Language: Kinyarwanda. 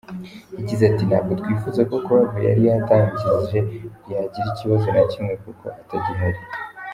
Yagize ati “ntabwo twifuza ko club yari yatangije yagira ikibazo na kimwe kuko atagihari.